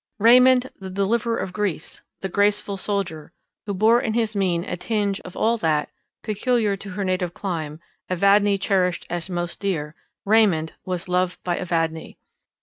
Raymond, the deliverer of Greece, the graceful soldier, who bore in his mien a tinge of all that, peculiar to her native clime, Evadne cherished as most dear— Raymond was loved by Evadne.